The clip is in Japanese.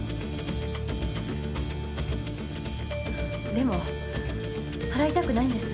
でも払いたくないんです。